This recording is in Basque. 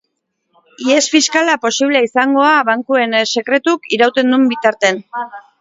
Ihes fiskala posiblea izango da bankuen sekretuak irauten duen bitartean.